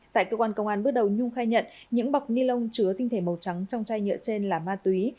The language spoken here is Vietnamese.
tại cơ quan công an bước đầu nhung khai nhận những bọc ni lông chứa tinh thể màu trắng trong chai nhựa trên là ma túy